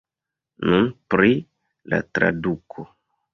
Nun pri la traduko.